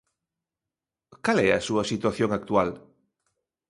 Cal é a súa situación actual?